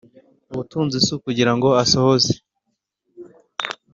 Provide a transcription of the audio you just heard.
ubutunzi si kugira ngo asohoze